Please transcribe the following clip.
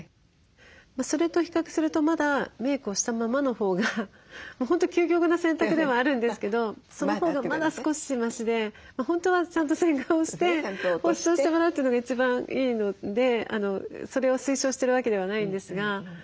それと比較するとまだメークをしたままのほうが本当究極な選択ではあるんですけどそのほうがまだ少しマシで本当はちゃんと洗顔をして保湿をしてもらうというのが一番いいのでそれを推奨してるわけではないんですが。